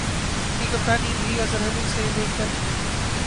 کی کپتانی بھی اظہر علی سے لے کر